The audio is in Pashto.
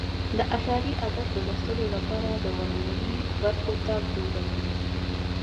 د اعشاري عدد د لوستلو لپاره د ورنيې برخو ته وګورئ.